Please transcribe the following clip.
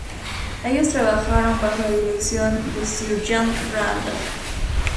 Ellos trabajaron bajo la dirección de Sir John Randall.